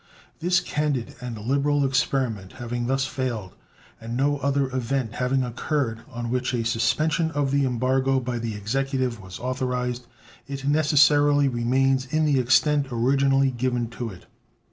This candid and liberal experiment having thus failed, and no other event having occurred on which a suspension of the embargo by the Executive was authorized, it necessarily remains in the extent originally given to it.